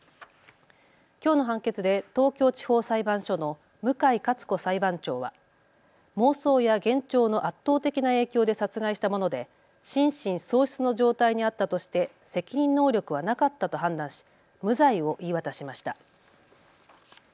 きょうの判決で東京地方裁判所の向井香津子裁判長は妄想や幻聴の圧倒的な影響で殺害したもので心神喪失の状態にあったとして責任能力はなかったと判断し無罪を言い渡しました。